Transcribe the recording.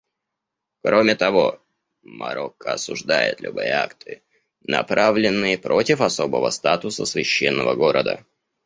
Кроме того, Марокко осуждает любые акты, направленные против особого статуса Священного города.